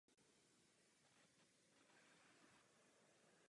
Jste obratný politik, to vám povím.